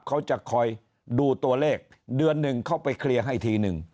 เขาจะคอยดูตัวเลขเดือนหนึ่งเขาไปเคลียร์ให้ทีนึง